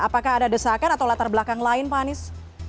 apakah ada desakan atau latar belakang lain pak anies